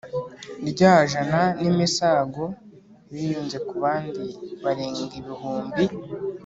Rya jana n’imisago Biyunze ku bandi Barenga ibihumbi